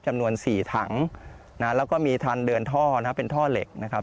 จำนวน๔ถังนะแล้วก็มีทันเดินท่อนะครับเป็นท่อเหล็กนะครับ